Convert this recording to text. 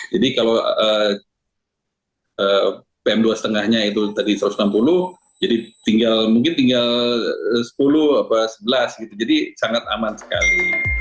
jadi kalau pm dua lima nya itu tadi satu ratus enam puluh jadi mungkin tinggal sepuluh atau sebelas jadi sangat aman sekali